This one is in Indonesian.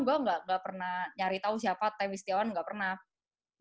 gue gak pernah nyari tahu siapa tem istiawan gak pernah